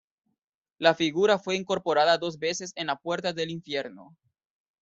La figura fue incorporada dos veces en La Puerta del Infierno.